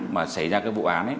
mà xảy ra cái vụ án ấy